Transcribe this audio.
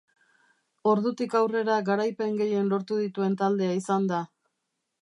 Ordutik aurrera garaipen gehien lortu dituen taldea izan da.